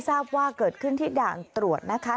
ทราบว่าเกิดขึ้นที่ด่านตรวจนะคะ